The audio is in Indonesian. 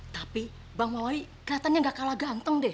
tapi bang mauli kelihatannya gak kalah ganteng deh